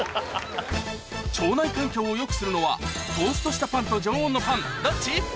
腸内環境を良くするのはトーストしたパンと常温のパンどっち？